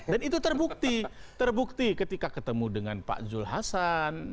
dan itu terbukti terbukti ketika ketemu dengan pak jules hassan